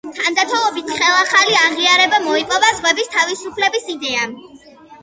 თანდათანობით ხელახალი აღიარება მოიპოვა ზღვების თავისუფლების იდეამ.